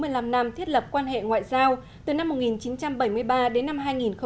việt nam thiết lập quan hệ ngoại giao từ năm một nghìn chín trăm bảy mươi ba đến năm hai nghìn một mươi tám